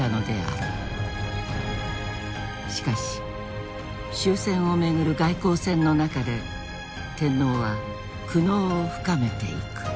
しかし終戦を巡る外交戦の中で天皇は苦悩を深めていく。